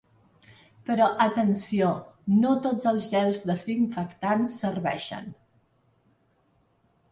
Però atenció, no tots els gels desinfectants serveixen.